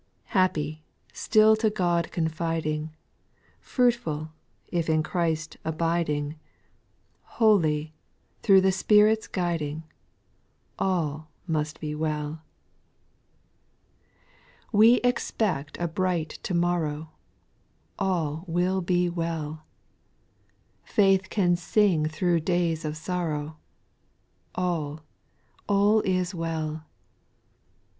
Happy, still to God confiding, Fruitful, if in Christ abiding, Holy, through the Si)irit's guiding, AU must be well. SPIRITUAL SONGS, ' 67 8. We expect a bright to morrow, —• All will be well ; Faith can sing through days of sorrow, All, all is well.